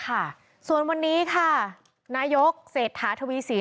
ค่ะส่วนวันนี้ค่ะนายกเศรษฐาทวีสิน